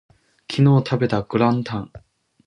一昨日食べたグラタン